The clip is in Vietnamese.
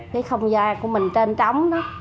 cái không gian của mình trên trống đó